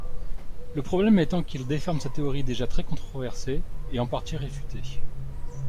Le problème étant qu'il déforme cette théorie déjà très controversée et en partie réfutée.